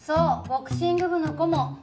ボクシング部の顧問。